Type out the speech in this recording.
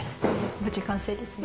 無事完成ですね。